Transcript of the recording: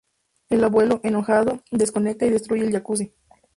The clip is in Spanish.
El abuelo, enojado, desconecta y destruye el jacuzzi.